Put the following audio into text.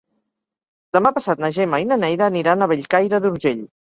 Demà passat na Gemma i na Neida aniran a Bellcaire d'Urgell.